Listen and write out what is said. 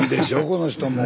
この人も。